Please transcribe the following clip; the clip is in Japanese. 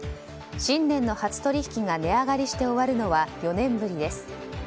新年の初取引が値上がりして終わるのは４年ぶりです。